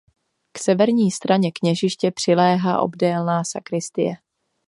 K severní straně kněžiště přiléhá obdélná sakristie.